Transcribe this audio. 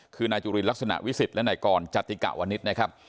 คือนายจุลินลักษณะวิสิทธิ์และนายกรจติกะวนิษฐ์นะครับ